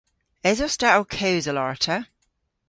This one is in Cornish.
Esos ta ow kewsel arta?